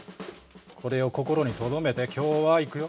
これを心に留めて今日はいくよ！